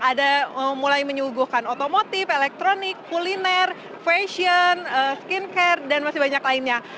ada mulai menyuguhkan otomotif elektronik kuliner fashion skincare dan masih banyak lainnya